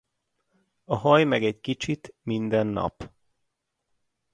A Halj meg egy kicsit minden nap!